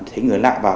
thấy người lại vào